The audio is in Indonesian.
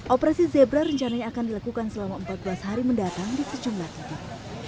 operasi zebra rencananya akan dilakukan selama empat belas hari mendatang di sejumlah titik